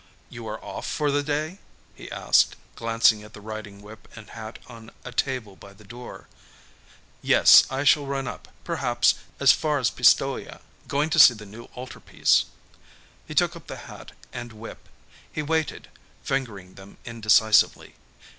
"You are off for the day?" he asked, glancing at the riding whip and hat on a table by the door. "Yes; I shall run up, perhaps, as far as Pistoia. Going to see the new altarpiece." He took up the hat and whip. He waited, fingering them indecisively.